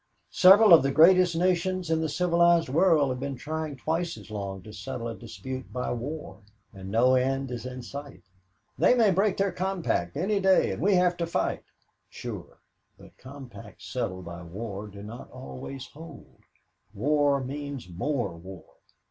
Several of the greatest nations in the civilized world have been trying twice as long to settle a dispute by war and no end is in sight. 'They may break their compact any day and we have to fight.' Sure but compacts settled by war do not always hold. War means more war.